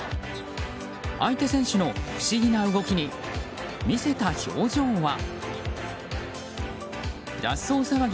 相手選手の不思議な動きに見せた表情は。